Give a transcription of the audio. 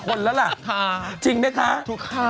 ก็จริงบอกได้